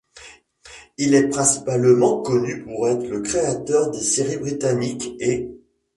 Il est principalement connu pour être le créateur des séries britanniques ' et '.